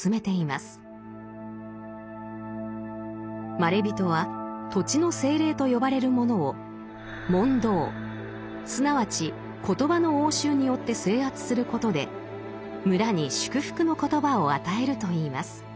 まれびとは土地の精霊と呼ばれる者を「問答」すなわち言葉の応酬によって制圧することで村に祝福の言葉を与えるといいます。